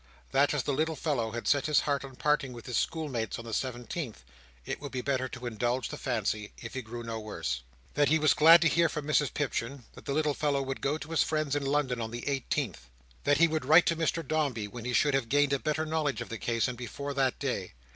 That as the little fellow had set his heart on parting with his school mates on the seventeenth, it would be better to indulge the fancy if he grew no worse. That he was glad to hear from Mrs Pipchin, that the little fellow would go to his friends in London on the eighteenth. That he would write to Mr Dombey, when he should have gained a better knowledge of the case, and before that day.